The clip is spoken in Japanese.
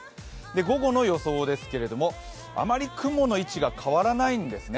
午後の予想ですけれども、あまり雲の位置が変わらないんですね。